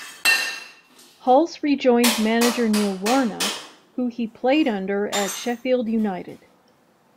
Hulse rejoined manager Neil Warnock who he played under at Sheffield United.